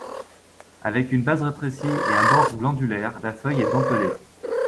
Avec une base rétrécie et un bord glandulaire, la feuille est dentelée.